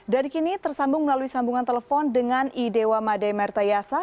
dari kini tersambung melalui sambungan telepon dengan idewa made mertayasa